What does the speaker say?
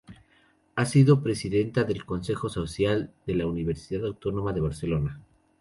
Ha sido presidenta del Consejo Social de la Universidad Autónoma de Barcelona.